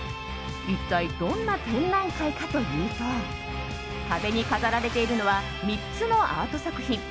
一体どんな展覧会かというと壁に飾られているのは３つのアート作品。